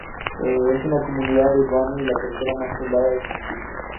Es una comunidad urbana y la tercera más poblada del municipio.